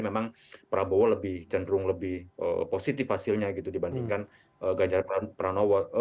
memang prabowo lebih cenderung lebih positif hasilnya gitu dibandingkan gajar pranowo